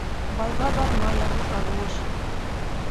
Байға барма, ярлыға булыш.